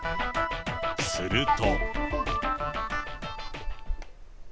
すると。